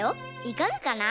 いかがかな？